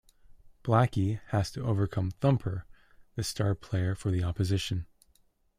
Blacky has to overcome Thumper, the star player for the opposition.